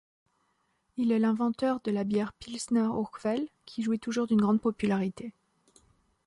Il est l'inventeur de la bière Pilsner Urquell, qui jouit toujours d'une grande popularité.